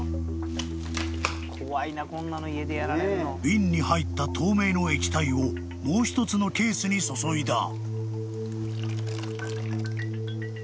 ［瓶に入った透明の液体をもう一つのケースに注いだ］